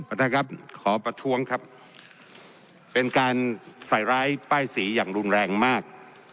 ท่านครับขอประท้วงครับเป็นการใส่ร้ายป้ายสีอย่างรุนแรงมาก